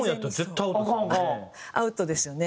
アウトですよね。